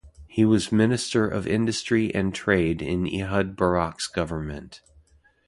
He was Minister of Industry and Trade in Ehud Barak's government.